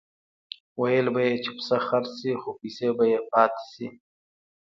ویل به یې چې پسه خرڅ شي خو پیسې به یې پاتې شي.